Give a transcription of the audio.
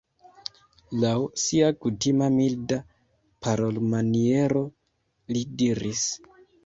Laŭ sia kutima milda parolmaniero li diris: